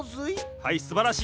はいすばらしい。